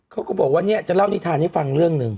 เขาก็บอกว่าเนี่ยจะเล่านิทานให้ฟังเรื่องหนึ่ง